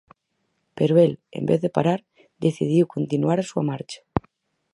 Pero el, en vez de parar, decidiu continuar a súa marcha.